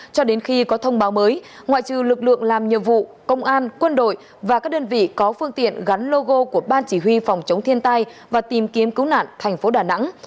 có thông báo mới ngoại trừ lực lượng làm nhiệm vụ công an quân đội và các đơn vị có phương tiện gắn logo của ban chỉ huy phòng chống thiên tai và tìm kiếm cứu nạn tp đà nẵng